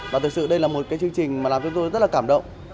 và thực sự đây là một chương trình làm chúng tôi rất là cảm động